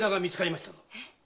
えっ？